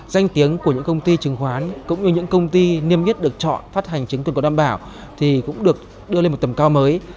danh tiếng của những công ty chứng khoán cũng như những công ty niêm yết được chọn phát hành chứng quyền có đảm bảo thì cũng được đưa lên một tầm cao mới